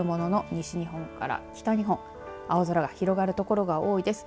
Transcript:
西日本から北日本青空が広がる所が多いです。